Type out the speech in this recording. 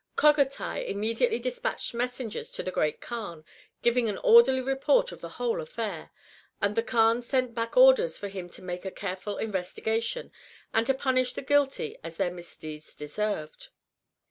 Cogatai immediately dispatched messengers to the Great Kaan giving an orderly report of the whole affair, and the Kaan sent back orders for him to make a careful investigation, and to punish the guilty as their misdeeds deserved.